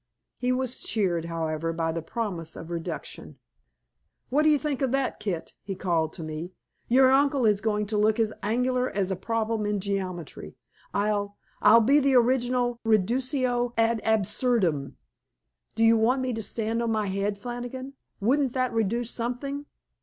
He was cheered, however, by the promise of reduction. "What do you think of that, Kit?" he called to me. "Your uncle is going to look as angular as a problem in geometry. I'll I'll be the original reductio ad absurdum. Do you want me to stand on my head, Flannigan? Wouldn't that reduce something?"